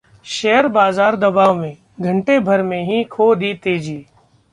share बाजार दबाव में, घंटे भर में ही खो दी तेजी